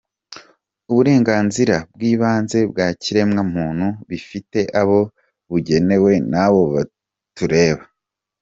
-Uburenganzira bw’ibanze bwa kiremwamuntu bifite abo bugenewe n’abo butareba;